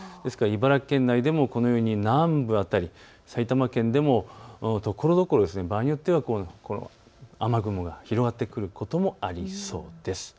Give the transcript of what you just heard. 茨城県内でも南部辺り、埼玉県でもところどころ場合によっては雨雲が広がってくることもありそうです。